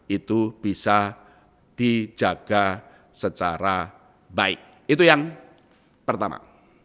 itu bisa dijaga secara baik itu yang pertama